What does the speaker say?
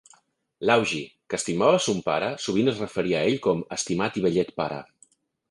L'Augie, que estimava son pare, sovint es referiria a ell com "estimat i vellet pare".